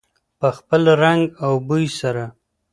په خپل رنګ او بوی سره.